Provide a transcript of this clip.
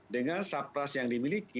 dengan subpras yang dimiliki